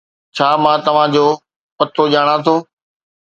ڇا مان توھان جو پتو ڄاڻان ٿو؟